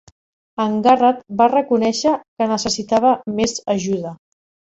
En Garrett va reconèixer que necessitava més ajuda.